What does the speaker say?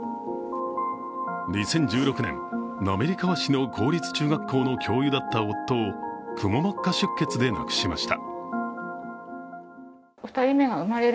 ２０１６年、滑川市の公立中学校の教諭だった夫をくも膜下出血で亡くしました。